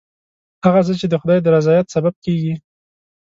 هغه څه چې د خدای د رضایت سبب کېږي.